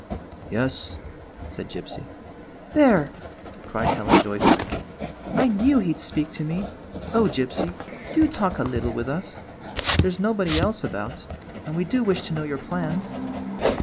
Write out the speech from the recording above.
"Yes," said Gypsy. " There !" cried Helen joyfully. " I knew he 'd speak to me! Oh, Gypsy, do talk a little with us ! There 's nobody else about, and we do wish to know your plans."